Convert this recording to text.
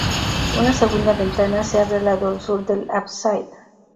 Una segunda ventana se abre al lado sur del ábside.